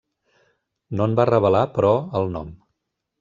No en va revelar, però, el nom.